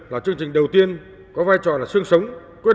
là chương trình đầu tiên có vai trò là sương sống